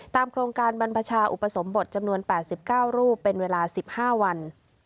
โครงการบรรพชาอุปสมบทจำนวน๘๙รูปเป็นเวลา๑๕วัน